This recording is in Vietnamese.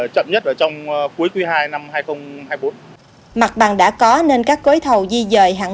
chậm nhất ở trong cuối tuy hai năm hai nghìn hai mươi bốn mặt bằng đã có nên các cối thầu di dời hạng